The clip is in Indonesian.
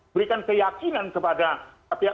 berikan keyakinan kepada pihak